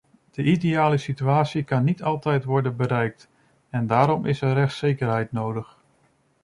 De ideale situatie kan niet altijd worden bereikt en daarom is er rechtszekerheid nodig.